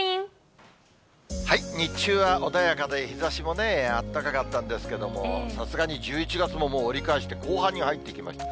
日中は穏やかで、日ざしもあったかかったんですけども、さすがに１１月ももう折り返して、後半に入ってきました。